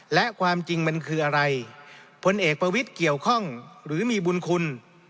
และความจริงมันคืออะไรพลเอกประวิทย์เกี่ยวข้องหรือมีบุญคุณ